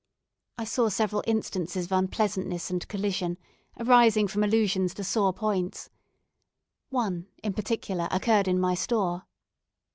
I saw several instances of unpleasantness and collision, arising from allusions to sore points. One, in particular, occurred in my store.